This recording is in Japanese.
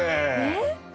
えっ？